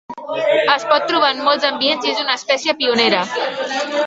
Es pot trobar en molts ambients i és una espècie pionera.